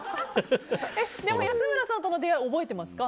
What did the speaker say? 安村さんとの出会いは覚えていますか？